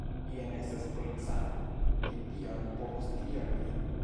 Jen estas policano; li tion povos diri al vi.